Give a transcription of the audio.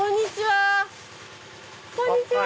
こんにちは！